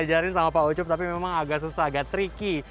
tadi saya sempat diajarin sama pak ucup tapi memang agak susah agak tricky